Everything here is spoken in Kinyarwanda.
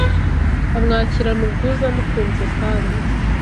amwakirana ubwuzu, amukunze kandi